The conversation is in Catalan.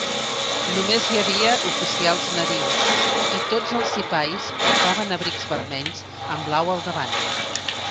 Només hi havia oficials nadius i tots els sipais portaven abrics vermells amb blau al davant.